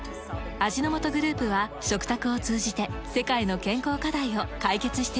味の素グループは食卓を通じて世界の健康課題を解決していきます。